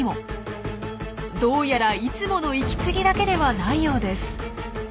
どうやらいつもの息継ぎだけではないようです。